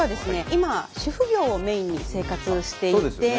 今主婦業をメインに生活していて。